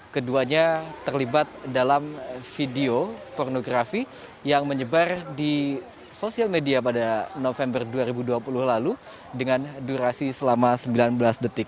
keduanya terlibat dalam video pornografi yang menyebar di sosial media pada november dua ribu dua puluh lalu dengan durasi selama sembilan belas detik